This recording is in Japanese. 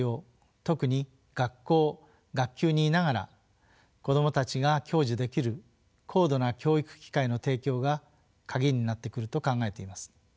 特に学校・学級にいながら子どもたちが享受できる高度な教育機会の提供が鍵になってくると考えています。